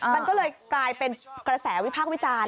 มันก็เลยกลายเป็นกระแสวิพากษ์วิจารณ์